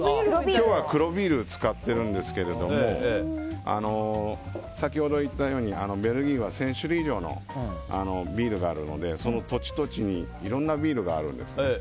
今日は黒ビールを使ってるんですけれども先ほど言ったようにベルギーは１０００種類以上のビールがあるのでその土地、土地にいろんなビールがあるんです。